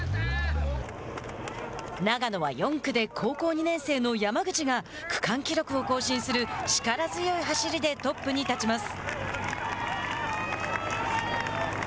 長野は４区で高校２年生の山口が区間記録を更新する力強い走りでトップに立ちます。